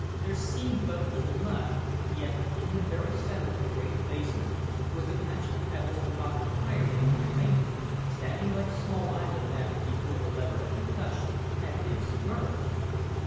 There seemed but little mud, yet in the very centre of the great basin was a patch of pebbles and rock higher than the remainder, standing like a small island that, before the lever had been touched, had been submerged.